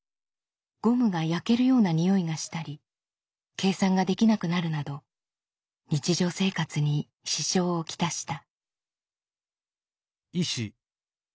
ゴムが焼けるようなにおいがしたり計算ができなくなるなど日常生活に支障を来した。